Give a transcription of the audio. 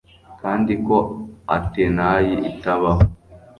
Kandi ko Atenayi itabaho